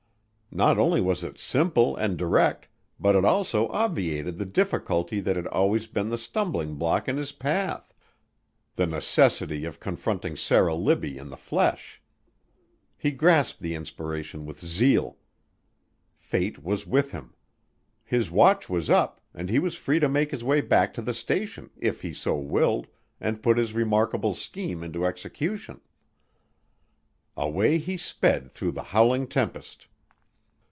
Not only was it simple and direct, but it also obviated the difficulty that had always been the stumbling block in his path, the necessity of confronting Sarah Libbie in the flesh. He grasped the inspiration with zeal. Fate was with him. His watch was up, and he was free to make his way back to the station, if he so willed, and put his remarkable scheme into execution. Away he sped through the howling tempest.